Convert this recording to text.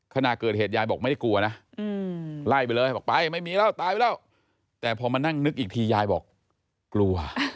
ขณะเกิดเหตุยายบอกไม่ได้กลัวนะไล่ไปเลยบอกไปไม่มีแล้วตายไปแล้วแต่พอมานั่งนึกอีกทียายบอกกลัว